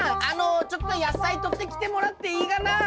あのちょっと野菜とってきてもらっていいがな？